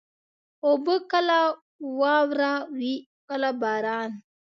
اوبه کله واوره وي، کله باران.